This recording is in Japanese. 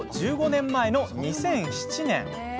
１５年前の２００７年。